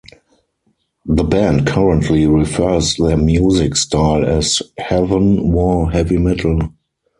The band currently refers their music style as heathen war heavy metal.